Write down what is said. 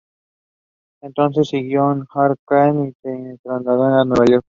Entonces siguió a Hart Crane y se trasladó a Nueva York.